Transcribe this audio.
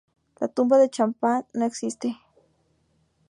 La tumba de Chapman ya no existe.